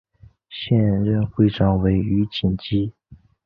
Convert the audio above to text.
现任会长为余锦基。